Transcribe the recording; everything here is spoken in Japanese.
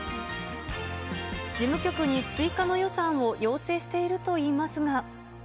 事務局に追加の予算を要請しているといいますが。